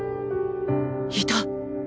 いた！